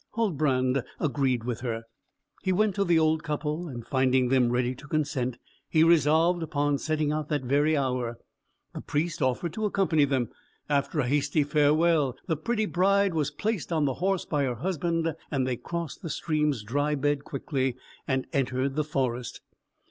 Huldbrand agreed with her; he went to the old couple and finding them ready to consent, he resolved upon setting out that very hour. The Priest offered to accompany them; after a hasty farewell, the pretty bride was placed on the horse by her husband, and they crossed the stream's dry bed quickly, and entered the forest.